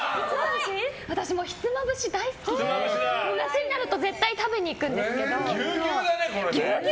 私ひつまぶし大好きで夏になると絶対食べに行くんですけど。